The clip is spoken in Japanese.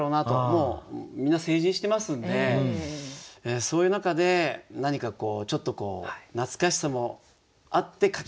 もうみんな成人してますんでそういう中で何かちょっと懐かしさもあって書きました。